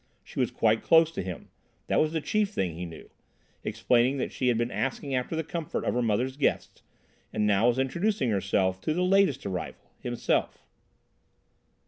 She was quite close to him—that was the chief thing he knew—explaining that she had been asking after the comfort of her mother's guests, and now was introducing herself to the latest arrival—himself.